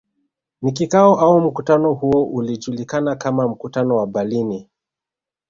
Na kikao au mkutano huo ulijulikana kama mkutano wa Berlini